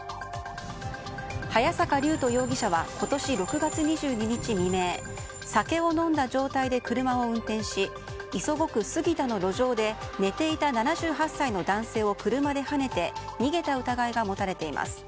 早坂龍斗容疑者は今年６月２２日未明酒を飲んだ状態で車を運転し磯子区杉田の路上で寝ていた７８歳の男性を車ではねて逃げた疑いが持たれています。